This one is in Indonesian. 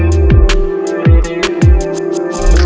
lo udah pergi aja sana